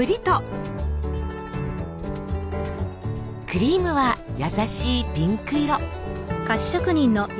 クリームは優しいピンク色。